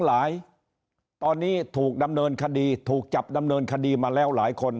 หลายตอนนี้ถูกดำเนินคดีถูกจับดำเนินคดีมาแล้วหลายคน